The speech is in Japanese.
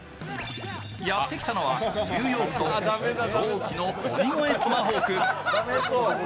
やって来たのはニューヨークと同期の鬼越トマホーク。